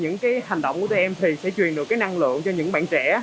những cái hành động của tụi em thì sẽ truyền được cái năng lượng cho những bạn trẻ